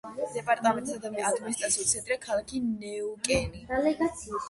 დეპარტამენტის ადმინისტრაციული ცენტრია ქალაქი ნეუკენი.